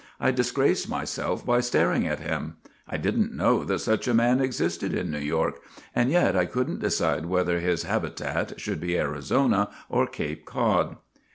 I disgraced myself by staring at him. I did n't know that such a man existed in New York, and yet I could n't decide whether his habitat should be Arizona or Cape Cod.